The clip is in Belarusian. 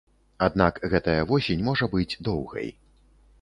Аднак гэтая восень можа быць доўгай.